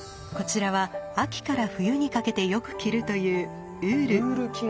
こちらは秋から冬にかけてよく着るというウール。